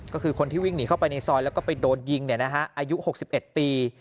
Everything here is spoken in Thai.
ก็คือคนที่วิ่งหนีเข้าไปในซอยแล้วก็ไปโดนยิงอายุ๖๑ปี